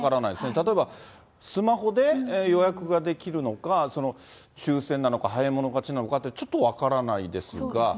例えばスマホで予約ができるのか、抽せんなのか、早い者勝ちなのか、ちょっと分からないですが。